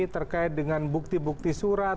terkait dengan bukti bukti surat